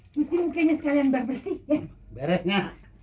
cuci mukanya sekalian beres beresnya